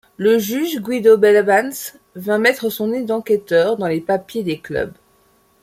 Le juge Guido Bellemans vint mettre son nez d'enquêteur dans les papiers des clubs.